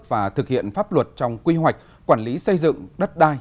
và thực hiện pháp luật trong quy hoạch quản lý xây dựng đất đai